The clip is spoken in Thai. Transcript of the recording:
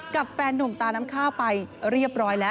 แฟนหนุ่มตาน้ำข้าวไปเรียบร้อยแล้ว